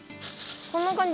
こんな感じ？